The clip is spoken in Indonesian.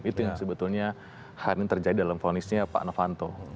itu yang sebetulnya hal ini terjadi dalam ponisnya pak fanto